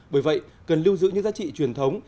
bởi vậy cần lưu giữ những giá trị truyền thống